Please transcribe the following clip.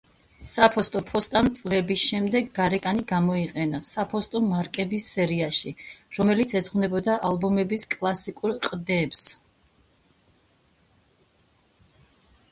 სამეფო ფოსტამ წლების შემდეგ გარეკანი გამოიყენა საფოსტო მარკების სერიაში, რომელიც ეძღვნებოდა ალბომების კლასიკურ ყდებს.